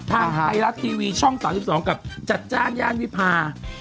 ทางไทยรัฐทีวีช่อง๓๒กับจัดจ้านย่านวิพา